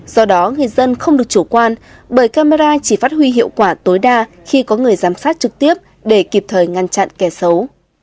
do đó người dân không được chủ quan bởi camera chỉ phát huy hiệu quả tối đa khi có người giám sát trực tiếp để kịp thời ngăn chặn kẻ xấu